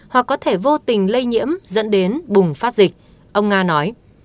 hoặc có thể vô tình lây nhiễm dẫn đến bùng phát dịch ông nga nói